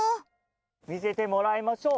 見せてもらいましょう。